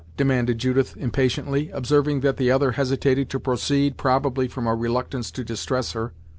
demanded Judith impatiently, observing that the other hesitated to proceed, probably from a reluctance to distress her.